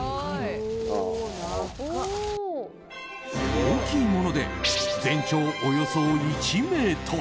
大きいもので全長およそ１ｍ。